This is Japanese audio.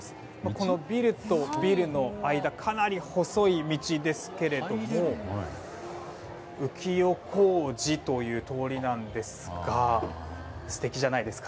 このビルとビルの間かなり細い道ですけど浮世小路という通りなんですが素敵じゃないですか？